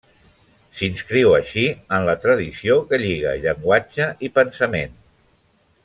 S'inscriu així en la tradició que lliga llenguatge i pensament.